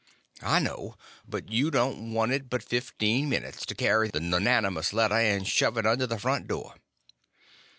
"I know; but you don't want it but fifteen minutes, to carry the nonnamous letter and shove it under the front door."